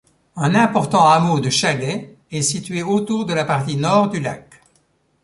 Un important hameau de chalets est situé autour de la partie nord du lac.